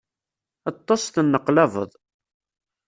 Ṭṭes, tenneqlabeḍ.